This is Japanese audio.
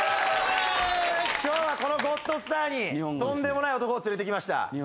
今日はこのＧＯＤＳＴＡＲにとんでもない男を連れてきました。